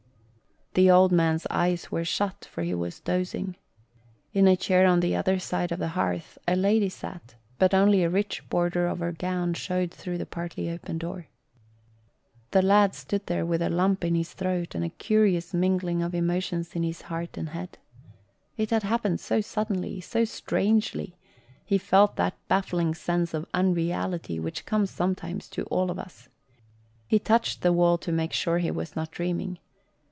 The old man's eyes were shut, for he was dozing. In a chair on the other side of the hearth a lady sat, but only the rich border of her gown showed through the partly open door. The lad stood there with a lump in his throat and a curious mingling of emotions in his heart and head. It had happened so suddenly, so strangely, he felt that baffling sense of unreality which comes sometimes to all of us. He touched the wall to make sure he was not dreaming.